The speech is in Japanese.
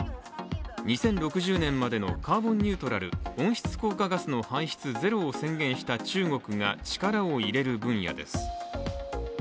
２０６０年までのカーボンニュートラル＝温室効果ガスの排出ゼロを宣言した中国が、力を入れる分野です。